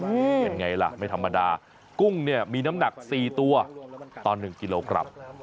เป็นไงล่ะไม่ธรรมดากุ้งเนี่ยมีน้ำหนัก๔ตัวต่อ๑กิโลกรัม